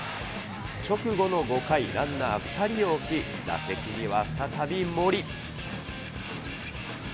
直後の５回、ランナー２人を置き、打席には再び森。